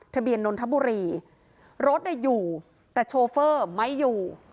นนทบุรีรถอยู่แต่โชเฟอร์ไม่อยู่